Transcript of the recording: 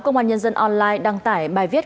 công an nhân dân online đăng tải bài viết